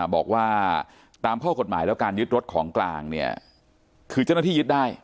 บอกว่าตามข้อกฎหมายแล้วการยึดรถของกลางคือจะได้ยึดได้